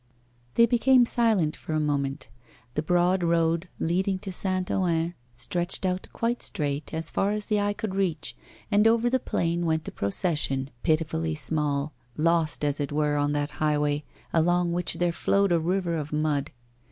They became silent for a moment. The broad road leading to St. Ouen stretched out quite straight as far as the eye could reach; and over the plain went the procession, pitifully small, lost, as it were, on that highway, along which there flowed a river of mud.